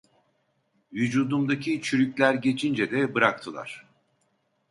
Vücudumdaki çürükler geçince de bıraktılar…